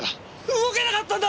動けなかったんだ！